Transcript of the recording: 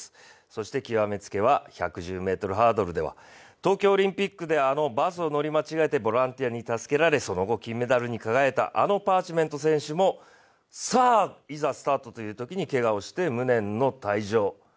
そして、極めつきは１１０ｍハードルでは東京オリンピックであのバスを乗り間違えてボランティアに助けられその後、金メダルに輝いたあのパーチメント選手もさあ、いざスタートというときにけがをして無念の退場。